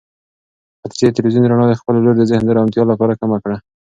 خدیجې د تلویزون رڼا د خپلې لور د ذهن د ارامتیا لپاره کمه کړه.